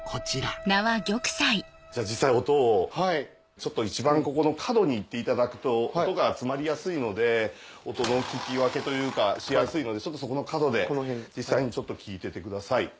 ちょっと一番ここの角に行っていただくと音が集まりやすいので音の聞き分けというかしやすいのでちょっとそこの角で実際に聴いててください。